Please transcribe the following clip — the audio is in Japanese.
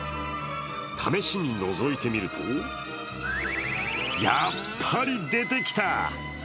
試しにのぞいてみると、やっぱり出てきた。